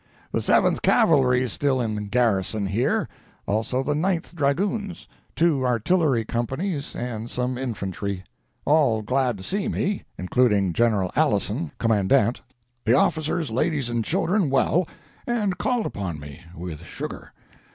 The Seventh Cavalry still in garrison, here; also the Ninth Dragoons, two artillery companies, and some infantry. All glad to see me, including General Alison, commandant. The officers' ladies and children well, and called upon me—with sugar.